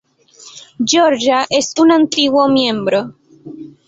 Georgia es un antiguo miembro.